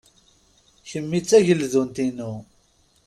Kemmi d tageldunt-inu.